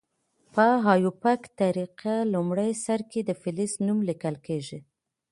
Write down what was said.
په آیوپک طریقه لومړي سر کې د فلز نوم لیکل کیږي.